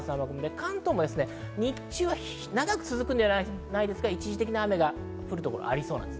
関東も日中は長く続くわけではないですが、一時的には雨が降りそうです。